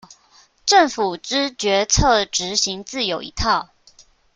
政府之決策執行自有一套